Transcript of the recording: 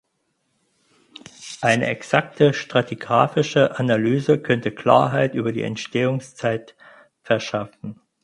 Eine exakte stratigraphische Analyse könnte Klarheit über die Entstehungszeit verschaffen.